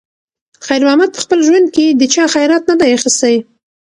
خیر محمد په خپل ژوند کې د چا خیرات نه دی اخیستی.